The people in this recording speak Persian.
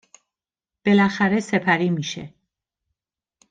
بلاخره سپری میشه